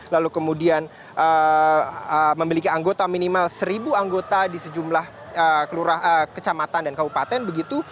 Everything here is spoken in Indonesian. lalu kemudian memiliki anggota minimal seribu anggota di sejumlah kecamatan dan kabupaten begitu